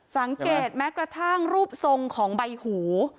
สังเกตแม้กระทั่งรูปทรงของใบหู